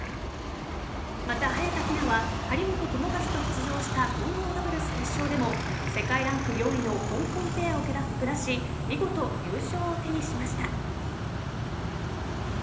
また、早田ひなは張本智和と出場した混合ダブルス決勝でも世界ランク４位の香港ペアを下し見事、優勝を手にしました。